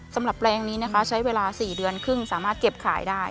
แปลงนี้นะคะใช้เวลา๔เดือนครึ่งสามารถเก็บขายได้